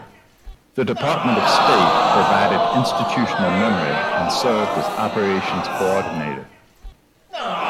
The Department of State provided institutional memory and served as operations coordinator.